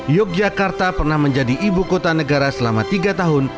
yogyakarta pernah menjadi ibu kota negara selama tiga tahun